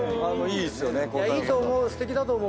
いいと思う。